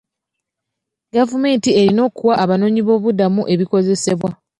Gavumenti erina okuwa abanoonyiboobubudamu ebikozesebwa.